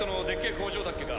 工場だっけか。